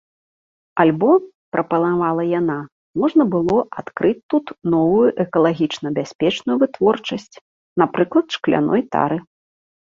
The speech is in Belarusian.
Альбо, прапанавала яна, можна было адкрыць тут новую экалагічна бяспечную вытворчасць, напрыклад, шкляной тары.